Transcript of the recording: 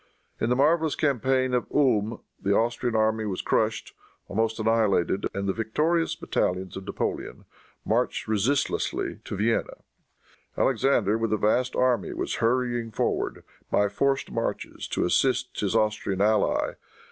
In the marvelous campaign of Ulm the Austrian army was crushed, almost annihilated, and the victorious battalions of Napoleon marched resistlessly to Vienna. Alexander, with a vast army, was hurrying forward, by forced marches, to assist his Austrian ally.